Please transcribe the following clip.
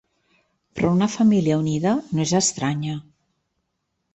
Però una família unida no és estranya.